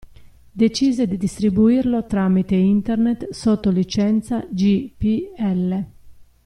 Decise di distribuirlo tramite Internet sotto licenza GPL.